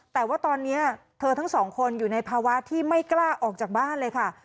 แต่ว่าตอนนี้เธอทั้งสองคนอยู่ในภาวะที่ไม่กล้าออกจากบ้านเลยค่ะ